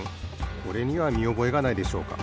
これにはみおぼえがないでしょうか。